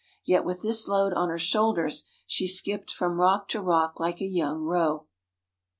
Yet with this load on her shoulders she skipped from rock to rock like a young roe."